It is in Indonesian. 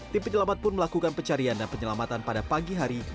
tim penyelamat pun melakukan pencarian dan penyelamatan pada pagi hari